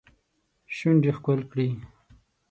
شونډې ښکل کړي